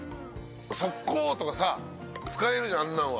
「速攻」とかさ使えるじゃんあんなのは。